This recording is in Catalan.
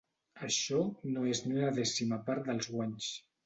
Això no és ni una dècima part dels guanys.